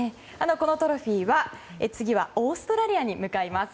このトロフィー、次はオーストラリアに向かいます。